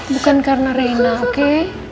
bukan karena reina oke